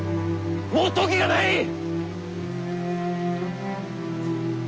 もう時がない！